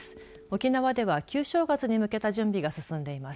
沖縄では旧正月に向けた準備が進んでいます。